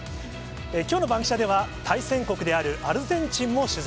きょうのバンキシャでは対戦国であるアルゼンチンも取材。